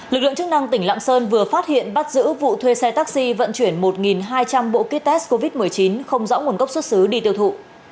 lực lượng chức năng tỉnh lạng sơn vừa phát hiện bắt giữ vụ thuê xe taxi vận chuyển một hai trăm linh bộ kit test covid một mươi chín không rõ nguồn gốc xuất xứ đi tiêu thụ